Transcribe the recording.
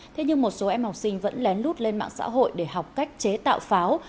thế nhưng một số em học sinh vẫn lén lút lên mạng xã hội để học cách chế tạo pháo